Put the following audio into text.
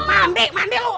mami mandi loh